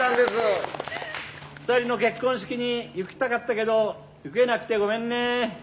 ２人の結婚式に行きたかったけど行けなくてごめんね